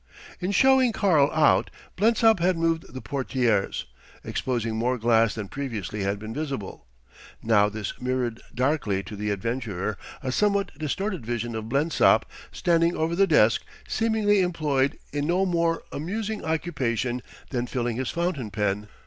In showing "Karl" out, Blensop had moved the portières, exposing more glass than previously had been visible. Now this mirrored darkly to the adventurer a somewhat distorted vision of Blensop standing over the desk, seemingly employed in no more amusing occupation than filling his fountain pen.